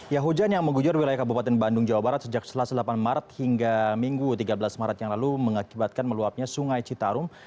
ya hujan yang mengguyur wilayah kabupaten bandung jawa barat sejak selasa delapan maret hingga minggu tiga belas maret yang lalu mengakibatkan meluapnya sungai citarum